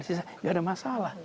tidak ada masalah